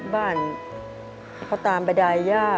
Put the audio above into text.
บ้านเขาตามไปดายย่า